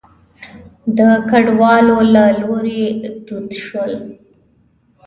د کډوالو له لوري دود شول.